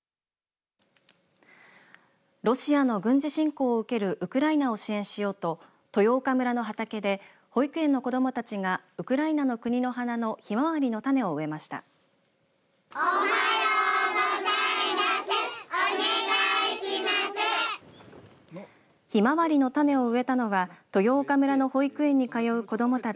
ロシアの軍事侵攻を受けるウクライナを支援しようと豊丘村の畑で保育園の子どもたちがウクライナの国の花のひまわりの種を植えました。